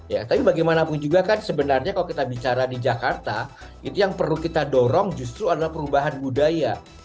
ya tapi bagaimanapun juga kan sebenarnya kalau kita bicara di jakarta itu yang perlu kita dorong justru adalah perubahan budaya